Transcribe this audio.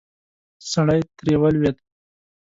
سړی ترې ولوېد.